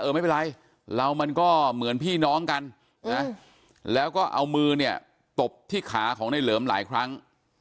ไม่เป็นไรเรามันก็เหมือนพี่น้องกันนะแล้วก็เอามือเนี่ยตบที่ขาของในเหลิมหลายครั้ง